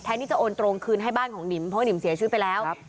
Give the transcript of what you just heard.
ที่จะโอนตรงคืนให้บ้านของหนิมเพราะว่าหิมเสียชีวิตไปแล้ว